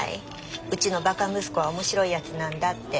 うちのばか息子は面白いやつなんだって。